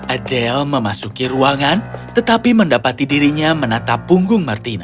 adele memasuki ruangan tetapi mendapati dirinya menatap punggung martina